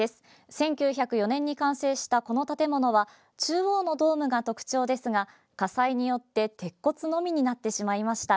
１９０４年に完成したこの建物は中央のドームが特徴ですが火災によって鉄骨のみになってしまいました。